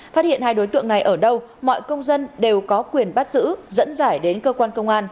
phát hiện hai đối tượng này ở đâu mọi công dân đều có quyền bắt giữ dẫn dải đến cơ quan công an